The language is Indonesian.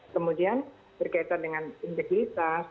kemudian berkaitan dengan integritas